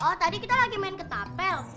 oh tadi kita lagi main ketapel